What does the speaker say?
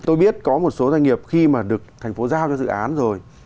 tôi biết có một số doanh nghiệp khi mà được thành phố giao cho dự án rồi